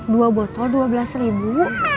dua botol dua belas ribu